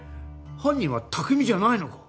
犯人は拓未じゃないのか？